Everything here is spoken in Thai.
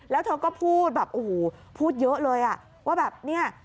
แล้วเธอก็พูดแบบโอ้โหพูดเยอะเลยอ่ะว่าแบบเนี่ย